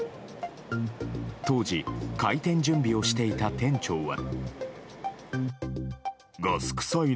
当時、開店準備をしていた店長は。